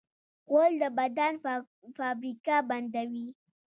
غول د بدن فابریکه بندوي.